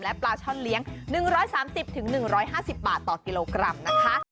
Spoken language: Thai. ปลาช่อนเลี้ยง๑๓๐๑๕๐บาทต่อกิโลกรัมนะคะ